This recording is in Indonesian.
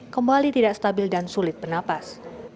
kembali tidak stabil dan sulit bernapas